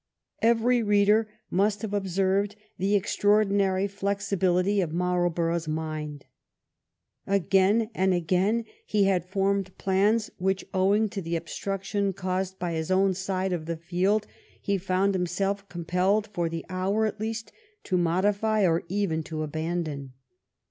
Every reader must have observed the extraordinary flexibility of Marlborough's mind. Again and again he had formed plans which, owing to the obstruction caused by his own side of the field, he found himself compelled, for the hour, at least, to modify or even to abandon.